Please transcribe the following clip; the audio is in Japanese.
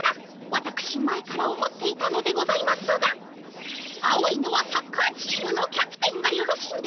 わたくし前から思っていたのでございますが青いのはサッカーチームのキャプテンがよろしいんではないでしょうか？